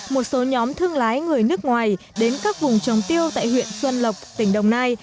một số nhóm thương lái người nước ngoài đến các vùng trồng tiêu tại huyện xuân lộc tỉnh đồng nai